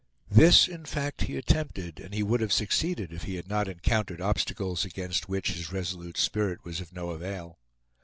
This in fact he attempted, and he would have succeeded if he had not encountered obstacles against which his resolute spirit was of no avail.